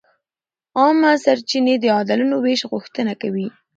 عامه سرچینې د عادلانه وېش غوښتنه کوي.